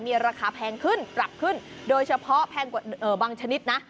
มีราคาแพงขึ้นปรับขึ้นโดยเฉพาะแพงกว่าบางชนิดนะ